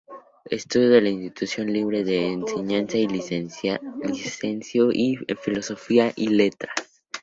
Estudió en la Institución Libre de Enseñanza y se licenció en Filosofía y Letras.